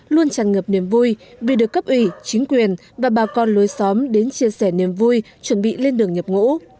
luôn tràn ngập niềm vui vì được cấp ủy chính quyền và bà con lối xóm đến chia sẻ niềm vui chuẩn bị lên đường nhập ngũ